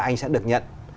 anh sẽ được nhận